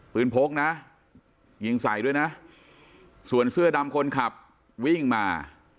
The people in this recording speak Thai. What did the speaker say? พกนะยิงใส่ด้วยนะส่วนเสื้อดำคนขับวิ่งมา